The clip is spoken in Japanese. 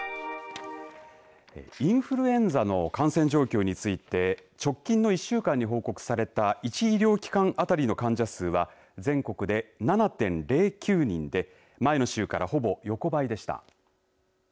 インフルエンザの感染状況について直近の１週間に報告された１医療機関当たりの患者数は全国で７．０９人で前の週から、ほぼ横ばいでした。